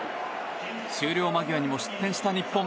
終了間際にも失点した日本。